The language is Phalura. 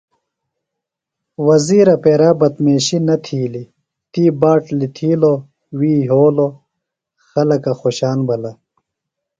وزیرہ پیرا بدمیشی نہ تِھیلیۡ، تی باٹ لِتھِلو، وی یھولوۡ۔ خلکہ خوۡشان بِھلہ۔